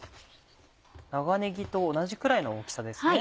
長ねぎと同じくらいの大きさですね。